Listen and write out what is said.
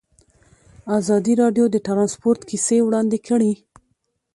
ازادي راډیو د ترانسپورټ کیسې وړاندې کړي.